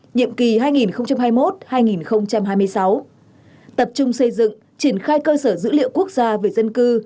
nhiệm kỳ hai nghìn hai mươi một hai nghìn hai mươi sáu tập trung xây dựng triển khai cơ sở dữ liệu quốc gia về dân cư